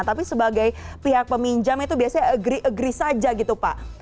tapi sebagai pihak peminjam itu biasanya agree agree saja gitu pak